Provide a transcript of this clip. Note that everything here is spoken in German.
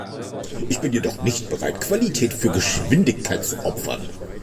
Ich bin jedoch nicht bereit, Qualität für Geschwindigkeit zu opfern.